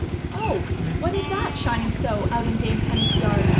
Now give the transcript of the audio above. " Oh ! Avhat is that shining so out in Dame Penny's yard?"